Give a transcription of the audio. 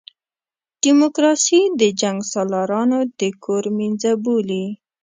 ډیموکراسي د جنګسالارانو د کور مېنځه بولي.